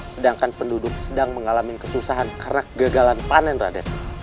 sedangkan penduduk sedang mengalami kesusahan karena kegagalan panen raden